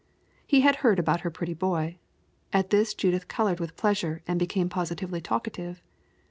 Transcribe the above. He had heard about her pretty boy. At this Judith colored with pleasure and became positively talkative.